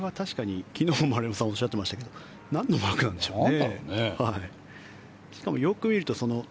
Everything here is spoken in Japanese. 昨日も丸山さんがおっしゃっていましたがなんのマークなんでしょうね？